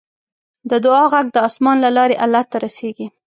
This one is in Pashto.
د دعا غږ د اسمان له لارې الله ته رسیږي.